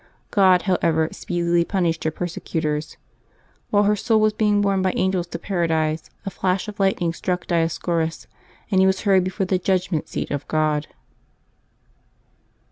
God, however, speedily punished her persecutors. While her soul was being borne by angels to Paradise, a flash of lightning struck Dioscorus, and he was hurried before the judgment seat of God.